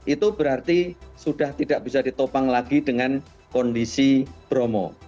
itu berarti sudah tidak bisa ditopang lagi dengan kondisi bromo